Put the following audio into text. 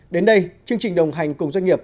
đến đây chương trình đồng hành cùng doanh nghiệp